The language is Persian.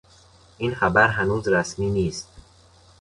این خبر هنوز رسمی نیست.